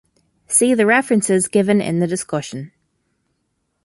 See the references given in the discussion.